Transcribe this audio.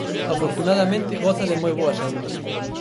Afortunadamente goza de moi boa saúde.